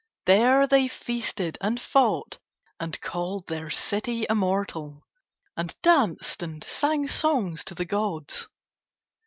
There they feasted and fought and called their city immortal, and danced and sang songs to the gods.